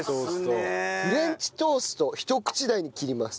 フレンチトーストをひと口大に切ります。